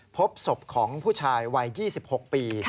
พบศพของผู้ชายวัย๒๖ปี